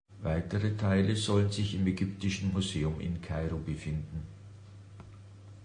Weitere Teile sollen sich im Ägyptischen Museum in Kairo befinden.